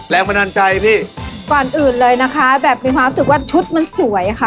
แลกมนั่นใจพี่ก่อนอื่นเลยนะคะแบบมีความคิดว่าชุดมันสวยค่ะ